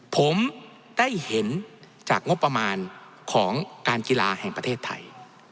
ผมได้เห็นจากงบประมาณของการกีฬาแห่งประเทศไทย